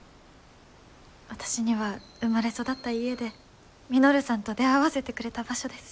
私には生まれ育った家で稔さんと出会わせてくれた場所です。